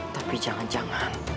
tapi jangan jangan